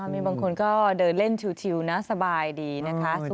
มีบางคนก็เดินเล่นชิวนะสบายดีนะคะ